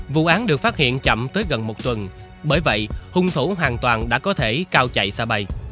vụ án được phát hiện chậm tới gần một tuần bởi vậy hung thủ hoàn toàn đã có thể cao chạy xa bay